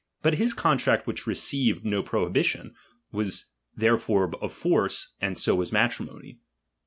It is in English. ]3ut his contract which received no prohibition, was therefore of force, and so was matrimony.